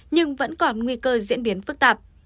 nhưng vẫn còn nguy cơ diễn biến phức tạp